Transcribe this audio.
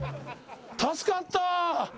助かった。